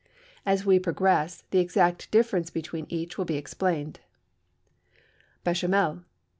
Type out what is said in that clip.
As we progress, the exact difference between each will be explained. _Béchamel.